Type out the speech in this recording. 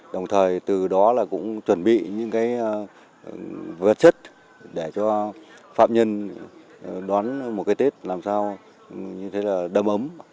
đồng thời từ đó là cũng chuẩn bị những cái vật chất để cho phạm nhân đón một cái tết làm sao như thế là đâm ấm